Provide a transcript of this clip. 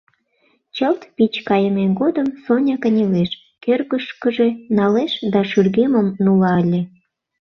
Чылт пич кайымем годым Соня кынелеш, кӧргышкыжӧ налеш да шӱргемым нула ыле.